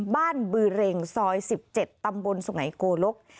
บ้านบือเร็งซอย๑๗ตำบลสวงหายโกลก